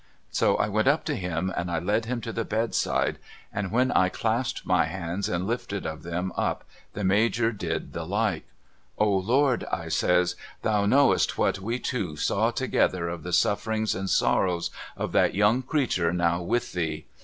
So I went up to him and I led him to the bedside, and when I clasped my hands and lifted of them up, the Major did the like. ' O Lord ' I says ' Thou knowest what we two saw together of the sufferings and sorrows of that young creetur now with Thee.